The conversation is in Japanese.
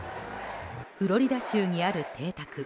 フロリダ州にある邸宅